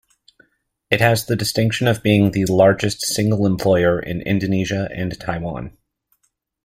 It has the distinction of being the largest single employer in Indonesia and Taiwan.